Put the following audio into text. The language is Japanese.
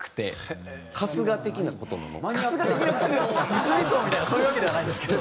むつみ荘みたいなそういうわけではないんですけど。